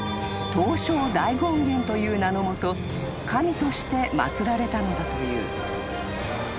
［という名のもと神として祭られたのだという］